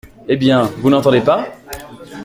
Eh ! bien, vous n’entendez pas ?